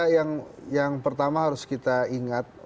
yang pertama harus kita ingat